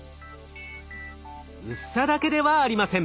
薄さだけではありません。